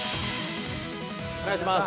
◆お願いします。